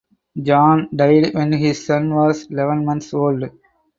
John died when his son was eleven months old.